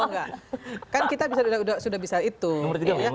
enggak kan kita sudah bisa itu ya